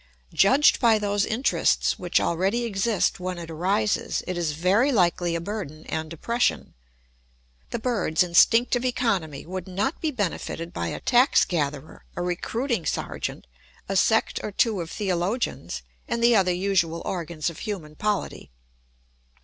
Judged by those interests which already exist when it arises, it is very likely a burden and oppression. The birds' instinctive economy would not be benefited by a tax gatherer, a recruiting sergeant, a sect or two of theologians, and the other usual organs of human polity.